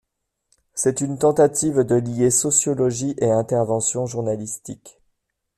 C'est une tentative de lier sociologie et intervention journalistique.